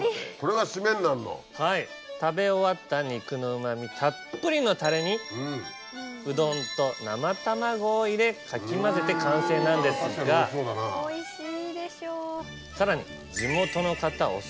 はい食べ終わった肉のうま味たっぷりのタレにうどんと生卵を入れかき混ぜて完成なんですがさらに。